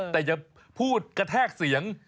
แต่อย่าพูดกระแทกเสียง